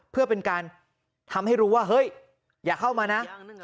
เพื่อเป็นการทำให้รู้ว่าเฮ้ยอย่าเข้ามานะ